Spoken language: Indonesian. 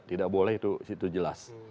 tidak boleh itu jelas